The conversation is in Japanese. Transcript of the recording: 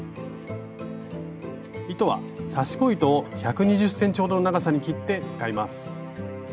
糸は刺し子糸を１２０ｃｍほどの長さに切って使います。